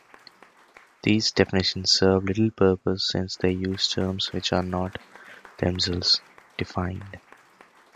These definitions serve little purpose since they use terms which are not, themselves, defined.